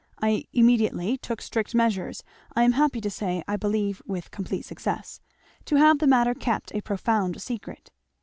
I immediately took strict measures I am happy to say I believe with complete success, to have the matter kept a profound secret.